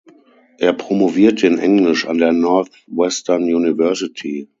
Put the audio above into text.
Er promovierte in Englisch an der Northwestern University.